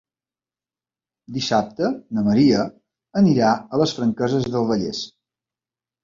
Dissabte na Maria anirà a les Franqueses del Vallès.